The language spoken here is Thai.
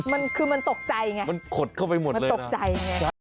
มันคือมันตกใจไงมันตกใจ